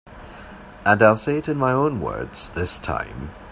And I'll say it in my own words this time.